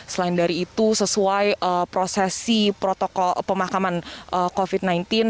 selain dari itu sesuai prosesi protokol pemakaman covid sembilan belas